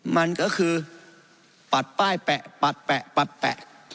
มันก็คือปัดป้ายแปะปัดแปะปัดแปะ